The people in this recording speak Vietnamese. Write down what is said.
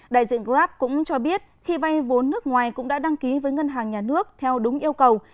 đại diện grab cũng cho biết khi vay vốn nước ngoài cũng đã đăng ký với ngân hàng nhà nước theo đúng yêu cầu